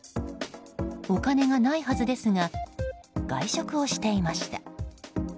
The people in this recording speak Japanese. お金がないはずですが外食をしていました。